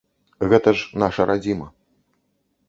Гэта ж наша радзіма.